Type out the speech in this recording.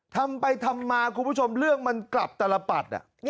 ทำไปทำมาคุณผู้ชมเรื่องมันกลับตลปัด